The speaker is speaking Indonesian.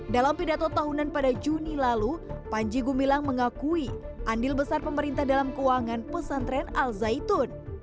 dalam pidato tahunan pada juni lalu panji gumilang mengakui andil besar pemerintah dalam keuangan pesantren al zaitun